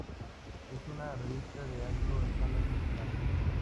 Es una revista de alto estándar, coleccionable.